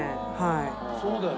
そうだよね。